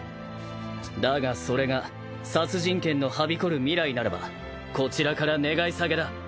だがそれが殺人剣のはびこる未来ならばこちらから願い下げだ。